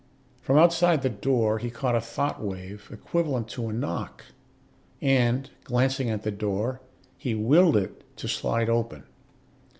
From outside the door he caught a thought wave equivalent to a knock, and, glancing at the door, he willed it to slide open.